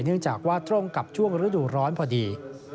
เนื่องจากว่าตรงกับช่วงฤดูร้อนพอดี